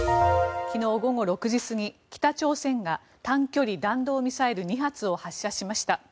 昨日午後６時過ぎ、北朝鮮が短距離弾道ミサイル２発を発射しました。